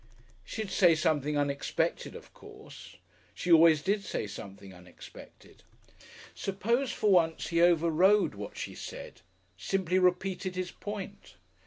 She'd say something unexpected, of course. She always did say something unexpected. Suppose for once he overrode what she said? Simply repeated his point?